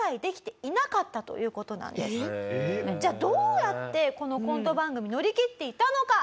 じゃあどうやってこのコント番組乗り切っていたのか？